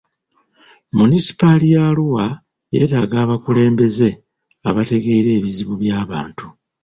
Munisipaali ya Arua yeetaaga abakulembeze abategeera ebizibu by'abantu.